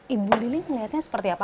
ibu lili melihatnya seperti apa